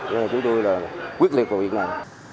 cho nên chúng tôi là quyết liệt vào việc này